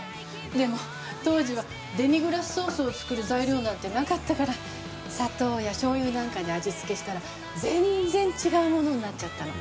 でも当時はデミグラスソースを作る材料なんてなかったから砂糖やしょう油なんかで味付けしたら全然違うものになっちゃったの。